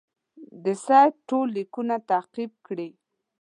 د سید ټول لیکونه تعقیب کړي.